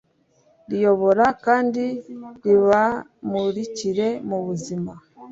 ribayobora kandi ribamurikire mu buzima